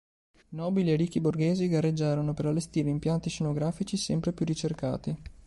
Nobili e ricchi borghesi gareggiarono per allestire impianti scenografici sempre più ricercati.